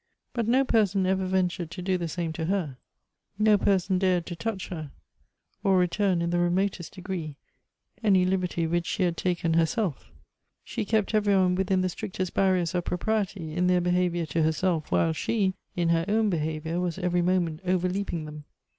But no person ever ventured to do the same to her; no person dared to touch her, or return, in the re motest degree, any liberty which she had taken herself She kept every one within the strictest barriers of pro priety in their behavior to herself, while she, in her own behavior, was every moment overleaping them.